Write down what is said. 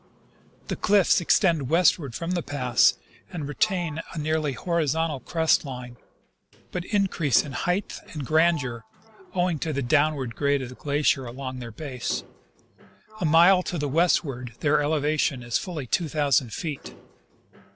The cliffs extend westward from the pass, and retain a nearly horizontal crest line, but in crease in height and grandeur, owing to the downward grade of the glacier along their base. A mile to the westward their elevation is fully two thousand feet.